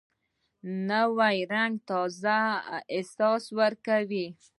نوی رنګ تازه احساس ورکوي